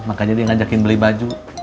makanya dia ngajakin beli baju